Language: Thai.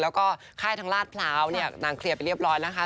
แล้วก็ค่ายทางลาดพร้าวเนี่ยนางเคลียร์ไปเรียบร้อยนะคะ